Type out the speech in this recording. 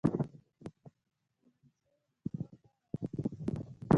تمانچه يې له پوښه راوکښ.